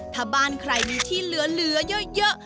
ถ้าบ้านใครมีที่เหลือเยอะ